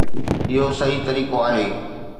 اهو صحيح طريقو آهي.